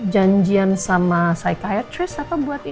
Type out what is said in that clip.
janjian sama cychayatris apa buat ini